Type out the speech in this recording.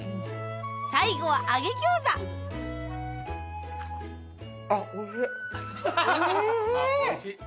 最後は揚げ餃子おいしい！